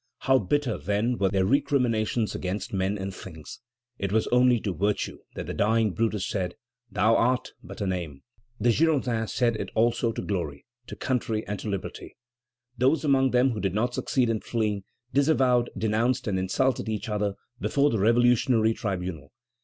How bitter then were their recriminations against men and things! It was only to virtue that the dying Brutus said: "Thou art but a name." The Girondins said it also to glory, to country, and to liberty. Those among them who did not succeed in fleeing, disavowed, denounced, and insulted each other before the revolutionary tribunal.